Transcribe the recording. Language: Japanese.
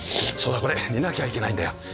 そうだこれ煮なきゃいけないんだよ。